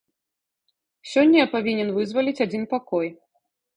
Сёння я павінен вызваліць адзін пакой.